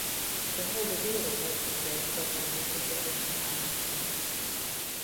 De hele wereld heeft begrepen dat men nu te ver is gegaan.